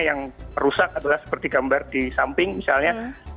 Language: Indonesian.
yang rusak adalah seperti gambar di samping misalnya